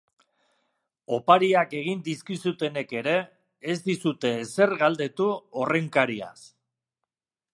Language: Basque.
Opariak egin dizkizutenek ere ez dizute ezer galdetu horren kariaz.